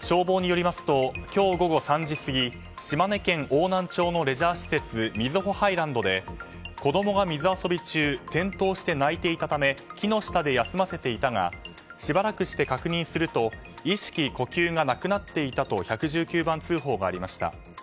消防によりますと今日午後３時過ぎ島根県邑南町のレジャー施設瑞穂ハイランドで子供が水遊び中転倒して泣いていたため木の下で休ませていたがしばらくして確認すると意識・呼吸がなくなっていたと１１９番通報がありました。